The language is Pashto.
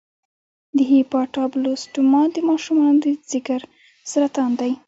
د هیپاټوبلاسټوما د ماشومانو د ځګر سرطان دی.